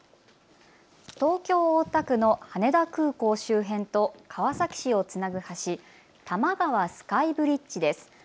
東京大田区の羽田空港周辺と川崎市をつなぐ橋、多摩川スカイブリッジです。